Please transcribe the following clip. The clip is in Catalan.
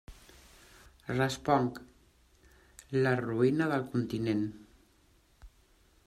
Responc: la ruïna del continent.